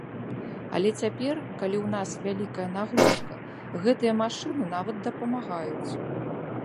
Але цяпер, калі ў нас вялікая нагрузка, гэтыя машыны нават дапамагаюць.